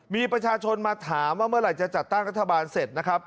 มีประชาชนมาถามว่าเมื่อไหร่จะจัดตั้งรัฐบาลเสร็จนะครับ